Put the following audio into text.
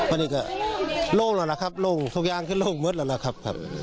อันนี้ก็โล่งแล้วล่ะครับโล่งทุกอย่างคือโล่งมืดแล้วล่ะครับ